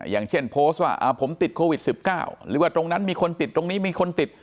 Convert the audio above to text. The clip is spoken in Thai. อย่างเช่นโพสต์ว่าผมติดโควิด๑๙หรือว่าตรงนั้นมีคนติดตรงนี้มีคนติด